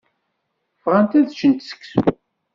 Bɣant ad ččent seksu.